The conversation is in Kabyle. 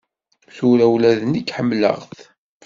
Tura ula d nekk ḥemmleɣ-t.